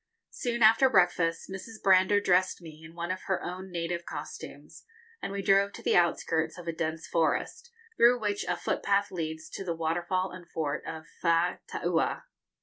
] Soon after breakfast, Mrs. Brander dressed me in one of her own native costumes, and we drove to the outskirts of a dense forest, through which a footpath leads to the waterfall and fort of Faataua.